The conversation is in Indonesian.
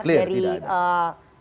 clear tidak ada